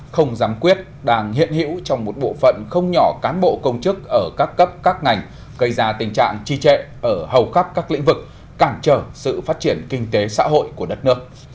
không dám quyết đang hiện hữu trong một bộ phận không nhỏ cán bộ công chức ở các cấp các ngành gây ra tình trạng trì trệ ở hầu khắp các lĩnh vực cản trở sự phát triển kinh tế xã hội của đất nước